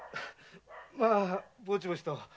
まあぼちぼちと。